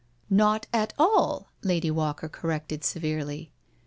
•• Not at all," Lady Walker corrected severely.